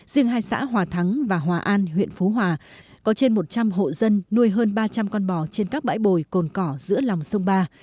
riêng hai xã hòa thắng và hòa an huyện phú hòa có trên một trăm linh hộ dân nuôi hơn ba trăm linh con bò trên các bãi bồi cồn cỏ giữa lòng sông ba